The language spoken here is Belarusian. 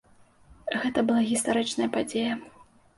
Гэта была гістарычная падзея.